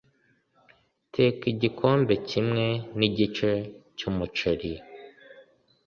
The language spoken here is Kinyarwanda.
Teka igikombe kimwe nigice cyumuceri.